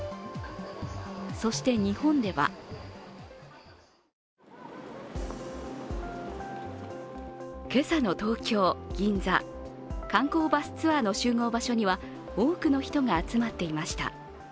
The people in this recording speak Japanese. そして、日本では今朝の東京・銀座、観光バスツアーの集合場所には多くの人が集まっていました。